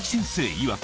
いわく